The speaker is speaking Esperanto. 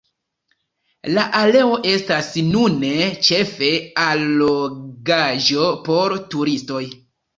La areo estas nune ĉefe allogaĵo por turistoj.